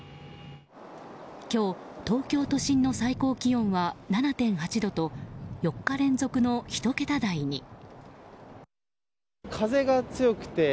今日、東京都心の最高気温は７．８度と４日連続の１桁台に。